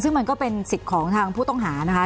ซึ่งมันก็เป็นสิทธิ์ของทางผู้ต้องหานะคะ